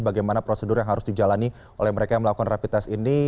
bagaimana prosedur yang harus dijalani oleh mereka yang melakukan rapid test ini